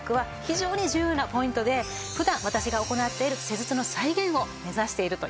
非常に重要なポイントで普段私が行っている施術の再現を目指しているというわけなんです。